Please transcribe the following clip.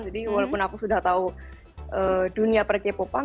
jadi walaupun aku sudah tahu dunia per k popan